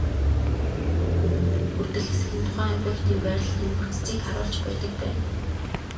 Цацрагуудын бүх бүрдэл хэсэг нь тухайн объектын байрлалын бүтцийг харуулж байдаг байна.